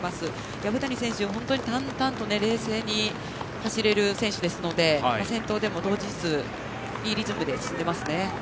薮谷選手は本当に淡々と冷静に走れる選手ですので先頭でも動じずいいリズムで進んでいますね。